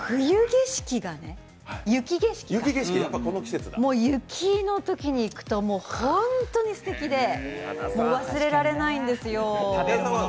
雪景色がね雪のときに行くと本当にすてきで忘れられないんですよ。